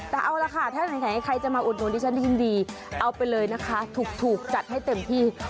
แต่เอาละค่ะถ้าใครจะมาอุดหนุนดิฉันยินดีเอาไปเลยนะคะถูกจัดให้เต็มที่